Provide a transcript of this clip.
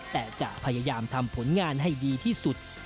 แต่จะพยายามทำผลงานให้ดีที่สุด